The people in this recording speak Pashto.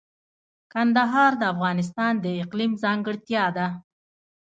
کندهار د افغانستان د اقلیم ځانګړتیا ده.